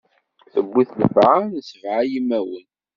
Tewwi-t llefɛa, m sebɛa yimawen.